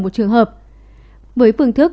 một trường hợp với phương thức